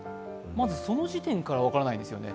まず、その時点から分からないんですよね。